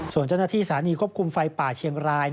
ส่วนเจ้าหน้าที่สถานีควบคุมไฟป่าเชียงราย